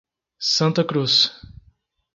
Santa Cruz